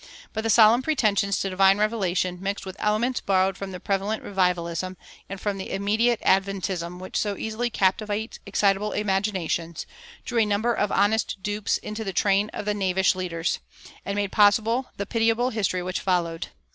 But the solemn pretensions to divine revelation, mixed with elements borrowed from the prevalent revivalism, and from the immediate adventism which so easily captivates excitable imaginations, drew a number of honest dupes into the train of the knavish leaders, and made possible the pitiable history which followed.